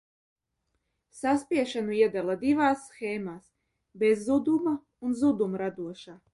Saspiešanu iedala divās shēmās: bezzudumu un zudumradošā.